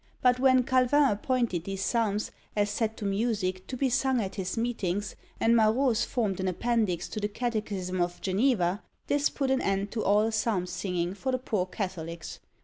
But when Calvin appointed these psalms, as set to music, to be sung at his meetings, and Marot's formed an appendix to the Catechism of Geneva, this put an end to all psalm singing for the poor Catholics!